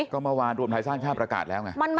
ก็เมื่อวานรวมไทยสร้างชาติประกาศแล้วไง